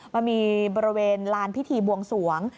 มันมีบริเวณลานพิธีบวงสวง